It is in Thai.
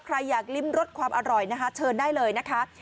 ใครอยากลิ้มรสความอร่อยนะคะเชิญได้เลยนะคะ